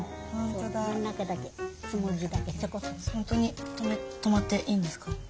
本当に泊まっていいんですか？